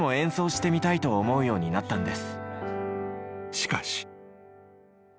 ［しかし］